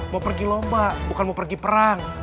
mau pergi lomba bukan mau pergi perang